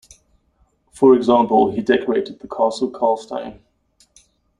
For example, he decorated the castle Karlstejn.